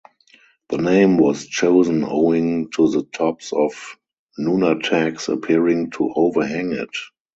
The name was chosen owing to the tops of nunataks appearing to overhang it.